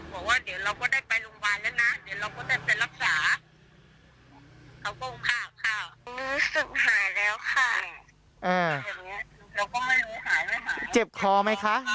บอกว่าเดี๋ยวเราก็ได้ไปโรงพยาบาลแล้วนะเดี๋ยวเราก็ได้ไปรักษา